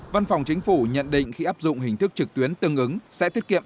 văn phòng chính phủ nhận định khi áp dụng hình thức trực tuyến tương ứng sẽ thiết kiệm